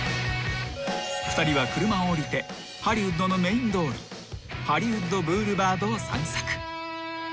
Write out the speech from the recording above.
［２人は車を降りてハリウッドのメイン通りハリウッド・ブールバードを散策］